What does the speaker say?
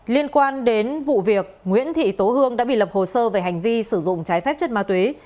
liên quan đến vụ việc nguyễn thị tố hương đã bị lập hồ sơ về hành vi sử dụng trái phép chất ma túy